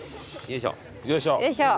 よいしょ。